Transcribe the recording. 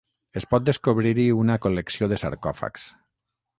Es pot descobrir-hi una col·lecció de sarcòfags.